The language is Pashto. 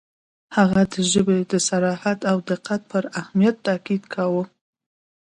• هغه د ژبې د صراحت او دقت پر اهمیت تأکید کاوه.